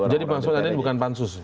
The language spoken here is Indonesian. jadi maksud anda ini bukan pansus